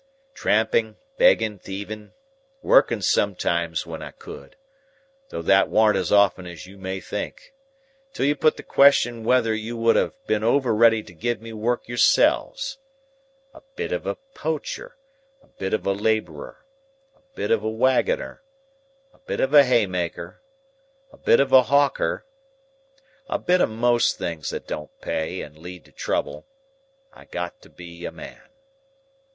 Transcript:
"Tramping, begging, thieving, working sometimes when I could,—though that warn't as often as you may think, till you put the question whether you would ha' been over ready to give me work yourselves,—a bit of a poacher, a bit of a labourer, a bit of a wagoner, a bit of a haymaker, a bit of a hawker, a bit of most things that don't pay and lead to trouble, I got to be a man.